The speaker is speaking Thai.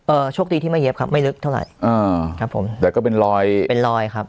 โชคดีที่ไม่เย็บครับไม่ลึกเท่าไหร่อ่าครับผมแต่ก็เป็นรอยเป็นรอยครับ